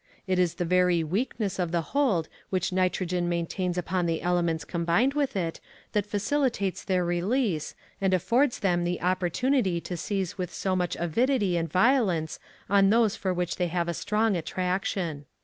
It is the very weakness of the hold which nitrogen maintains upon the elements combined with it that facilitates their release, and affords them the opportunity to seize with so much avidity and violence on those for which they have a strong attraction.